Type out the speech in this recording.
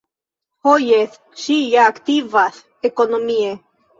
Ho jes, ŝi ja aktivas ekonomie!